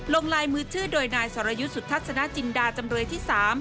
ลายมือชื่อโดยนายสรยุทธ์สุทัศนจินดาจำเลยที่๓